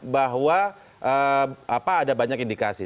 bahwa ada banyak indikasi